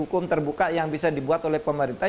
hukum terbuka yang bisa dibuat oleh pemerintah